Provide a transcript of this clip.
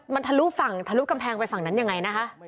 มันทะลุฝั่งทะลุกำแพงไปฝั่งนั้นยังไงนะคะ